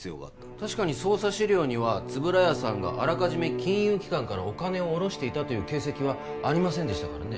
確かに捜査資料には円谷さんがあらかじめ金融機関からお金を下ろしていたという形跡はありませんでしたからね